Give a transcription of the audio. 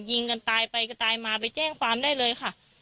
ยิงกันตายไปกันตายมาไปแจ้งความได้เลยค่ะ